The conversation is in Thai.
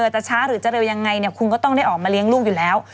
จะช้าหรือจะเร็วยังไงคุณก็ต้องได้ออกมาเลี้ยงลูกอยู่แล้ว